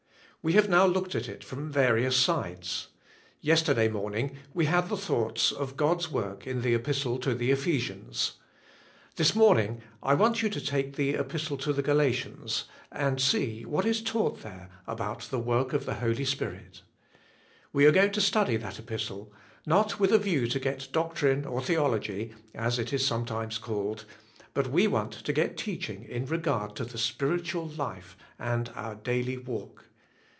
We have now looked at it from various sides. Yesterday morning we had the thoughts of God's work in the Bpistle to the Kphesians. This morning 1 want you to take the Kpistle to the Galatians and see what is taug ht there about the work of the Spirit. We are going to study that Kpistle, not with a view to get doc trine or theology, as it is sometimes called, but we want to get teaching in regard to the Spiritual life and our daily walk.